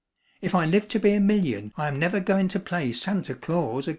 If I live to be a million I am never goin' to play Santa Claus ag'in.